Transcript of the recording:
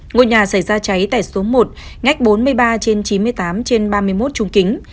ngôi nhà xảy ra cháy tại số một ngách bốn mươi ba trên chín mươi tám trên ba mươi một trung kính